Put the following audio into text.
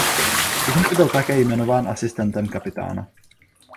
Ihned byl také jmenován asistentem kapitána.